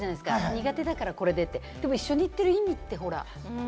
苦手だからこれでって、でも一緒にいってる意味って。